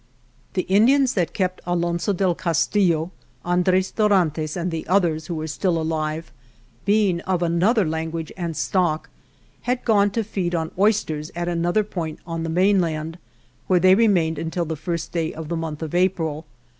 The Indians that kept Alonso del Cas tillo, Andres Dorantes and the others, who were still alive, being of another language and stock, had gone to feed on oysters at another point of the mainland, where they remained until the first day of the month of April.